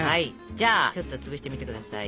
じゃあちょっと潰してみて下さい。